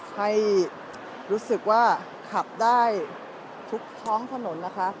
ให้รู้สึกว่าขับได้ทุกท้องถนนนะคะ